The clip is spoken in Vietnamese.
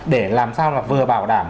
để làm sao là vừa bảo đảm